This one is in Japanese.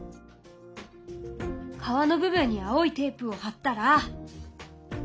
川の部分に青いテープを貼ったら。